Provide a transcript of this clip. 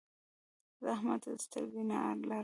زه احمد ته سترګې نه لرم.